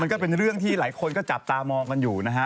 ก็เป็นเรื่องที่หลายคนก็จับตามองกันอยู่นะฮะ